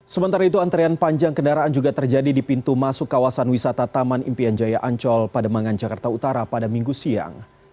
sementara itu antrean panjang kendaraan juga terjadi di pintu masuk kawasan wisata taman impian jaya ancol pada mangan jakarta utara pada minggu siang